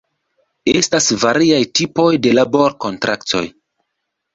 Estas variaj tipoj de labor-kontraktoj.